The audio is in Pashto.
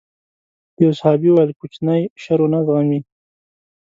يو صحابي وويل کوچنی شر ونه زغمي.